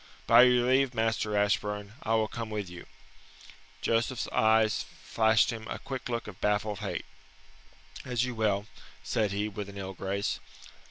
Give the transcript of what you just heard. "By your leave, Master Ashburn, I will come with you." Joseph's eyes flashed him a quick look of baffled hate. "As you will," said he, with an ill grace.